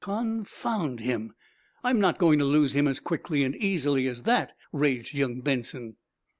"Confound him, I'm not going to lose him as quickly and easily as that!" raged young Benson.